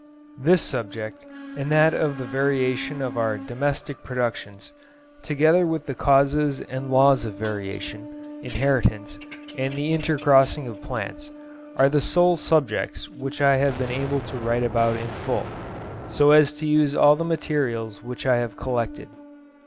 This subject, and that of the variation of our domestic productions, together with the causes and laws of variation, inheritance, and the intercrossing of plants, are the sole subjects which I have been able to write about in full, so as to use all the materials which I have collected.